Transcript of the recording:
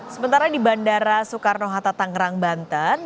sementara di bandara soekarno hatta tangerang banten